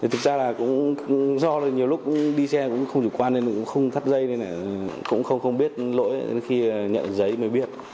thực ra là cũng do nhiều lúc đi xe cũng không chủ quan nên mình cũng không thắt dây nên cũng không biết lỗi khi nhận giấy mới biết